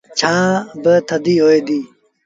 ڇآن با ٿڌي هوئي دي۔